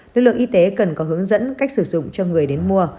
lực lượng y tế cần có hướng dẫn cách sử dụng cho người đến mua